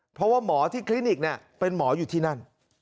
เพราะว่าหมอที่คลินิกเป็นหมออยู่ที่นั่น